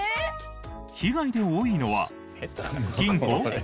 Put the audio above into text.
被害で多いのは金庫？